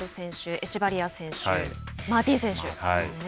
エチェバリア選手、マーティン選手。